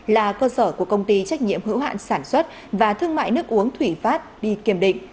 là cơ sở của công ty trách nhiệm hữu hạn sản xuất và thương mại nước uống thủy phát đi kiểm định